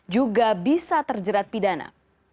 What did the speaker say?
juga bisa terjerat pidana